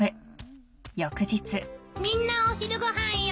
みんなお昼ご飯よ。